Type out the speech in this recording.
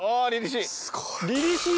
りりしい。